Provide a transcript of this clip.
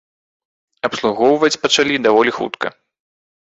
Абслугоўваць пачалі даволі хутка.